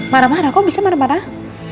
marah marah kok bisa marah marah